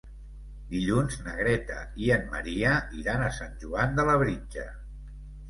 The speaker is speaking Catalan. Dilluns na Greta i en Maria iran a Sant Joan de Labritja.